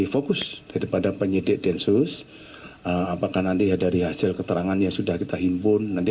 fokus daripada penyidik densus apakah nanti dari hasil keterangannya sudah kita himpun nanti